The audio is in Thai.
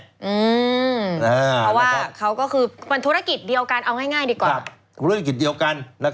เพราะว่าเขาก็คือควันธุรศกิจเดียวกันเอาง่ายดีกว่า